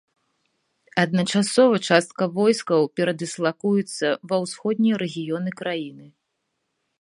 Адначасова частка войскаў перадыслакуецца ва ўсходнія рэгіёны краіны.